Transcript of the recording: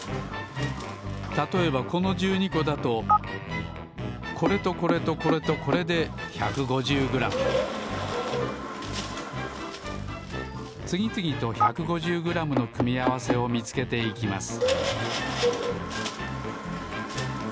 たとえばこの１２こだとこれとこれとこれとこれで１５０グラムつぎつぎと１５０グラムの組み合わせをみつけていきます